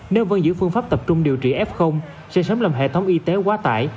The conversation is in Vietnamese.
nếu vẫn giữ phương pháp tập trung điều trị f sẽ sớm làm hệ thống y tế quá tải